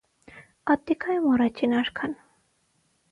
Ատտիկայում առաջին արքան։